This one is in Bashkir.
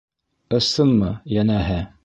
Ысынмы, йәнәһе.